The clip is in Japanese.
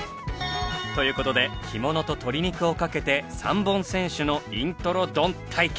という事で干物と鶏肉をかけて３本先取のイントロドン対決。